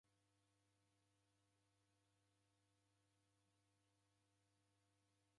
Mka mwana wape ochareda ndasanya mzinyi.